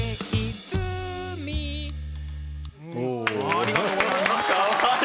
ありがとうございます。